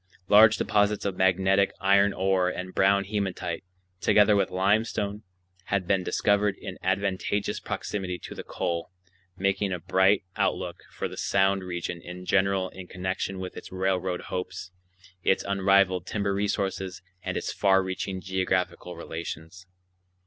Large deposits of magnetic iron ore and brown hematite, together with limestone, had been discovered in advantageous proximity to the coal, making a bright outlook for the Sound region in general in connection with its railroad hopes, its unrivaled timber resources, and its far reaching geographical relations.